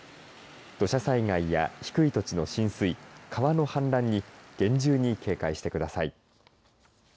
土砂災害や低い土地の浸水川の氾濫に厳重に警戒してください。